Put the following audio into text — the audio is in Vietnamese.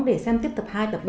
để xem tiếp tập hai tập ba